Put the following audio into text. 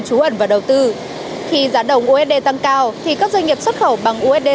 trú ẩn và đầu tư khi giá đồng usd tăng cao thì các doanh nghiệp xuất khẩu bằng usd